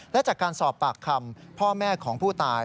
และจากการสอบปากคำพ่อแม่ของผู้ตาย